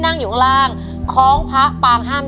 นั่งอยู่ข้างล่างของพระปางห้าม